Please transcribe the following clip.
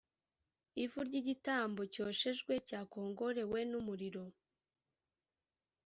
ivu ry igitambo cyoshejwe cyakongorewe n umuriro